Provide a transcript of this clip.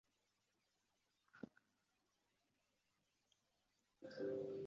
管道中最高温度可达。